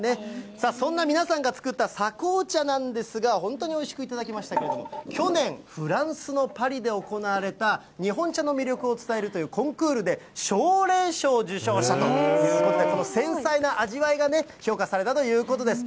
さあ、そんな皆さんが作った狭紅茶なんですが、本当においしく頂きましたけれども、去年、フランスのパリで行われた日本茶の魅力を伝えるというコンクールで、奨励賞を受賞したということで、この繊細な味わいがね、評価されたということです。